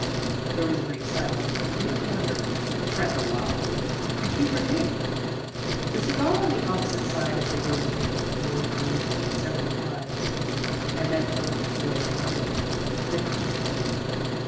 There was a brief silence, and Bleak wondered (a trifle wildly) if he were dreaming. The cigar on the opposite side of the little table glowed rosily several times, and then Quimbleton's voice resumed, in a deep undertone.